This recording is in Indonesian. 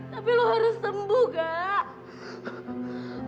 tapi lo harus sembuh kak